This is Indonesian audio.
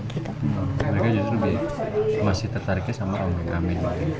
mereka justru masih tertariknya sama ronggeng amen